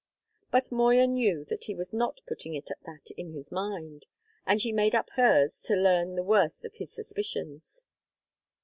But Moya knew that he was not putting it at that in his mind, and she made up hers to learn the worst of his suspicions.